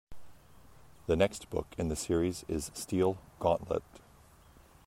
The next book in the series is "Steel Gauntlet".